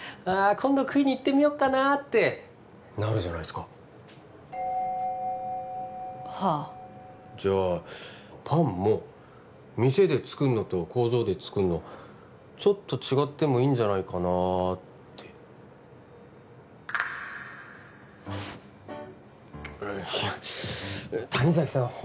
あ今度食いに行ってみよっかなってなるじゃないすかはあじゃあパンも店で作るのと工場で作るのちょっと違ってもいいんじゃないかなっていや谷崎さん